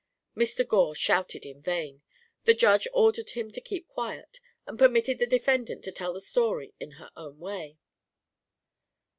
Mr. Gore shouted in vain. The Judge ordered him to keep quiet and permitted the defendant to tell the story in her own way.